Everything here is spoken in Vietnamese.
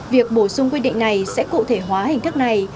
việc bổ sung quy định này sẽ cụ thể hóa hình thức này